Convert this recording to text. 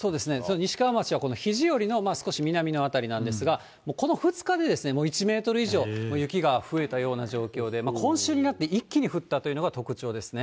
西川町はこの肘折の少し南の辺りなんですが、この２日で、もう１メートル以上、雪が増えたような状況で、今週になって一気に降ったというのが特徴ですね。